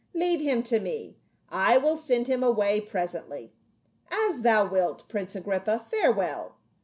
" Leave him to me, I will send him away presently." "As thou wilt, Prince Agrippa; farewell."